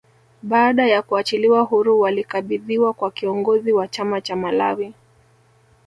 Baada ya kuachiliwa huru walikabidhiwa kwa kiongozi wa chama cha Malawi